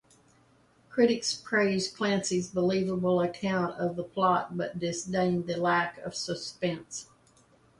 Critics praised Clancy's believable account of the plot, but disdained the lack of suspense.